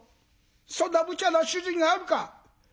そんなむちゃな主人があるか！」。